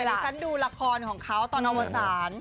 ตอนนี้ฉันดูละครของเขาตอนละ๓